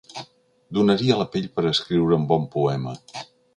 Donaria la pell per escriure un bon poema.